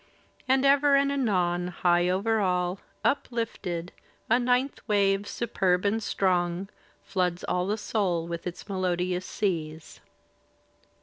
And ever and anon, high over all Uplifted, a ninth wave superb and strong. Floods all the soul with its melodious seas.